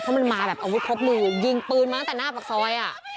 เพราะมันมาแบบอาวุธครบมือยิงปืนมาตั้งแต่หน้าปากซอยอ่ะ